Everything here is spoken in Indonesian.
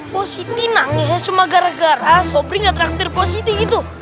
positi nangis cuma gara gara sopri gak traktir positi gitu